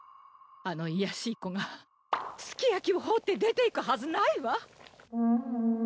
あの卑しい子がすき焼きを放って出ていくはずないわ。